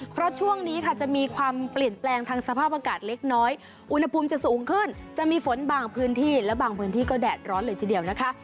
เพราะช่วงนี้ค่ะจะมีความเปลี่ยนแปลงทางสภาพอากาศเล็กน้อยอุณหภูมิจะสูงขึ้นจะมีฝนบางพื้นที่และบางพื้นที่ก็แดดร้อนเลยทีเดียวนะคะ